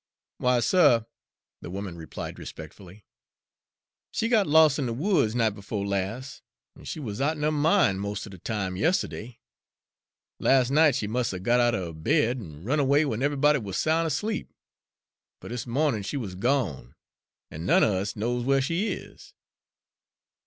"Why, suh," the woman replied respectfully, "she got los' in de woods night befo' las', an' she wuz out'n her min' most er de time yistiddy. Las' night she must 'a' got out er bed an' run away w'en eve'ybody wuz soun' asleep, fer dis mawnin' she wuz gone, an' none er us knows whar she is."